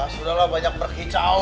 sudahlah banyak berkicau